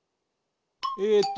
えっと